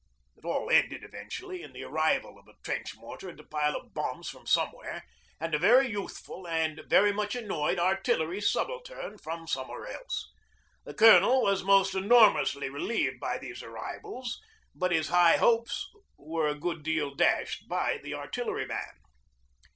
It all ended eventually in the arrival of a trench mortar and a pile of bombs from somewhere and a very youthful and very much annoyed Artillery subaltern from somewhere else. The Colonel was most enormously relieved by these arrivals, but his high hopes were a good deal dashed by the artilleryman.